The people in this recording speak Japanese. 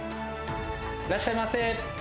いらっしゃいませ。